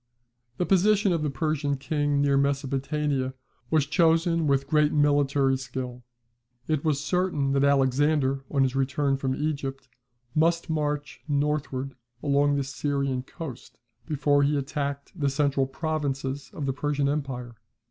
The position of the Persian king near Mesopotamia was chosen with great military skill. It was certain that Alexander on his return from Egypt must march northward along the Syrian coast, before he attacked the central provinces of the Persian empire.